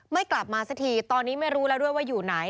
ไม่กลับมาสักทีตอนนี้ไม่รู้แล้วด้วยว่าอยู่ไหน